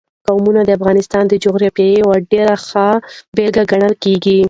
قومونه د افغانستان د جغرافیې یوه ډېره ښه بېلګه ګڼل کېږي.